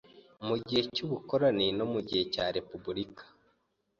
Mu gihe cy’ubukoloni no mu gihe cya Repubulika